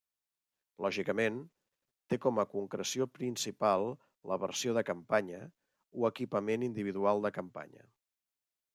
Lògicament, té com a concreció principal la versió de campanya, o equipament individual de campanya.